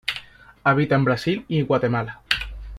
Habita en Brasil y Guatemala.